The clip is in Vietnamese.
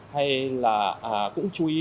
hay là cũng chú ý